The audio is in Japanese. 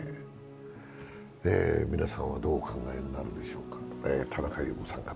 皆さんはどうお考えになるでしょうか。